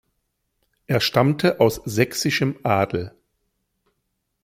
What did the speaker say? Er stammte aus sächsischem Adel.